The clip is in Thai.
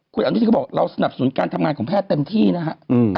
คุณอนุทินก็บอกเราสนับสนุนการทำงานของแพทย์เต็มที่นะฮะ